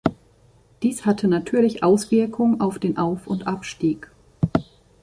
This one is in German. Dies hatte natürlich Auswirkungen auf den Auf- und Abstieg.